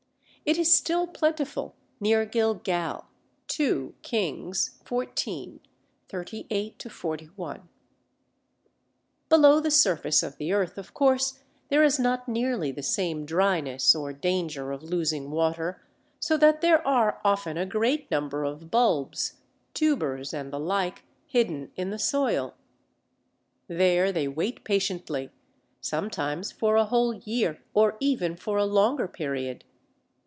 It is still plentiful near Gilgal (2 Kings xiv. 38 41). Ridley, Pharmaceutical Journal, May 19th, 1900. Below the surface of the earth, of course, there is not nearly the same dryness or danger of losing water, so that there are often a great number of bulbs, tubers, and the like hidden in the soil. There they wait patiently, sometimes for a whole year or even for a longer period.